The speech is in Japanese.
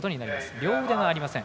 両腕がありません。